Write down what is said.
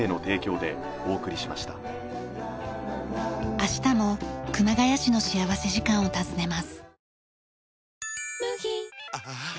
明日も熊谷市の幸福時間を訪ねます。